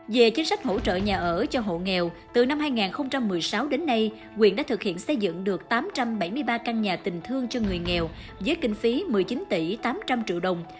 về chính sách hỗ trợ nhà ở cho hộ nghèo từ năm hai nghìn một mươi sáu đến nay quyền đã thực hiện xây dựng được tám trăm bảy mươi ba căn nhà tình thương cho người nghèo với kinh phí một mươi chín tỷ tám trăm linh triệu đồng